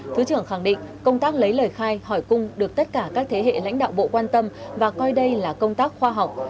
thứ trưởng khẳng định công tác lấy lời khai hỏi cung được tất cả các thế hệ lãnh đạo bộ quan tâm và coi đây là công tác khoa học